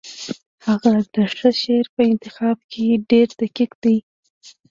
هغه د ښه شعر په انتخاب کې ډېر دقیق دی